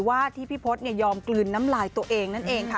ว่าที่พี่พศยอมกลืนน้ำลายตัวเองนั่นเองค่ะ